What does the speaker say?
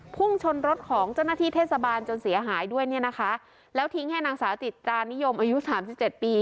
พุ่งชนรถของเจ้าหน้าที่เทศบาลจนเสียหายด้วยเนี่ยนะคะแล้วทิ้งให้นางสาวจิตรานิยมอายุสามสิบเจ็ดปี